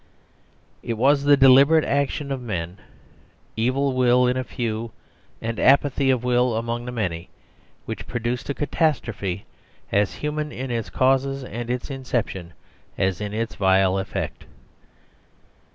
It was the deliberate action of men, evil will in a few and apathy of will among the many, which pro duced a catastrophe as human in its causes and in ception as in its vile effect.